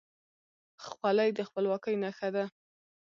خولۍ د خپلواکۍ نښه ده.